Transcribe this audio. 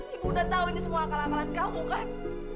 ibu udah tahu ini semua akal akalan kamu kan